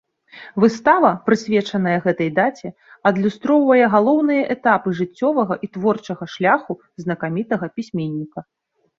Выстава, прысвечаная гэтай даце, адлюстроўвае галоўныя этапы жыццёвага і творчага шляху знакамітага пісьменніка.